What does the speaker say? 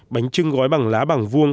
bánh trưng gói bằng lá bằng vuông